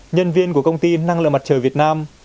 nhân viên của công ty năng lượng mặt trời việt nam